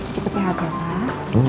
cepet sehat dong pak